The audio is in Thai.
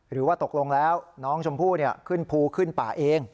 หรือว่าตกลงแล้วน้องชมพู่ขึ้นภูขึ้นป่าเอง